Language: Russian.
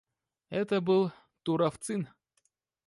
Это был Туровцын.